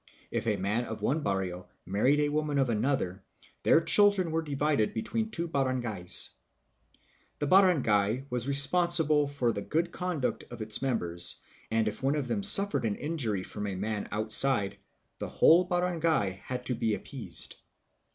If a man of one barrio married a woman of another, their children were divided between the two barangay s. The barangay was responsible for the good conduct of its members, and if one of them suffered an injury from a man outside, the whole barangay had to be appeased.